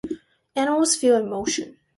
Animals feel emotion.